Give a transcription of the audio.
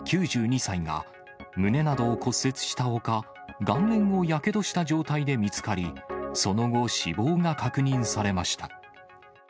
９２歳が、胸などを骨折したほか、顔面をやけどした状態で見つかり、その後、死亡が確認されました。